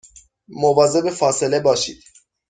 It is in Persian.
مواظب فاصله باشید